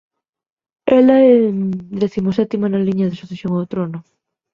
Ela é décimo sétima na liña de sucesión ao trono.